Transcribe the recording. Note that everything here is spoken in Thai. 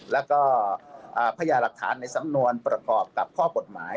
แล้วก็พญาหลักฐานในสำนวนประกอบกับข้อกฎหมาย